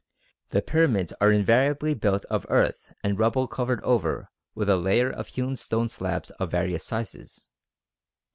The pyramids are invariably built of earth and rubble covered over with a layer of hewn stone slabs of various sizes.